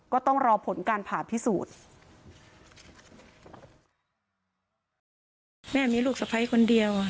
ก็ต้องรอผลการผ่าพิสูจน์